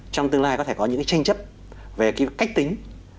trong tương lai có thể có những tranh chấp về cách tính ba mươi